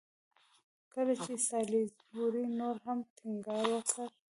کله چې سالیزبوري نور هم ټینګار وکړ.